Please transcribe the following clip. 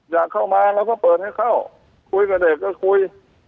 อยากเข้ามาเราก็เปิดให้เข้าคุยกับเด็กก็คุย